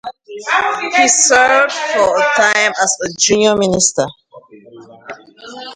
He served for a time as a junior minister.